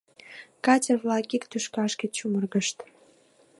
Катер-влак ик тӱшкашке чумыргышт.